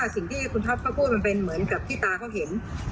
สิ่งที่คุณท็อปเขาพูดมันเป็นเหมือนกับที่ตาเขาเห็น